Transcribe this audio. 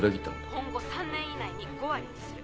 今後３年以内に５割にする。